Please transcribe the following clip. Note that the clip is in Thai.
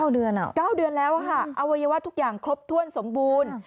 ๙เดือนแล้วค่ะอวัยวะทุกอย่างครบถ้วนสมบูรณ์